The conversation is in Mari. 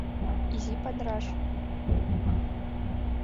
Изи падраш.